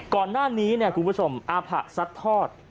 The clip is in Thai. ก่อนหน้านี้เนี่ยคุณผู้ชมอาภะซัดทอด